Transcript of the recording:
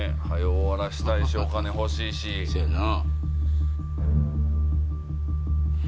終わらしたいしお金ほしいしせやな